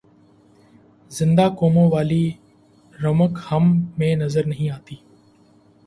زندہ قوموں والی رمق ہم میں نظر نہیں آتی۔